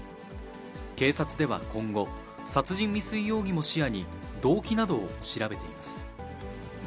警察では今後、殺人未遂容疑も視野に、動機などを調べています。